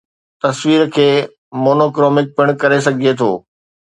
تصوير کي monochromatic پڻ ڪري سگھي ٿو